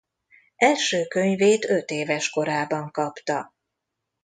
Első könyvét ötéves korában kapta.